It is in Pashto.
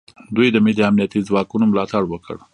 دوی د ملي امنیتي ځواکونو ملاتړ وکړ